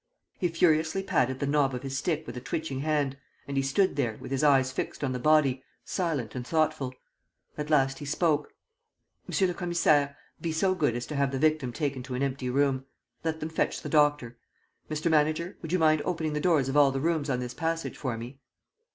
He furiously patted the knob of his stick with a twitching hand; and he stood there, with his eyes fixed on the body, silent and thoughtful. At last he spoke: "Monsieur le Commissaire, be so good as to have the victim taken to an empty room. Let them fetch the doctor. Mr. Manager, would you mind opening the doors of all the rooms on this passage for me?"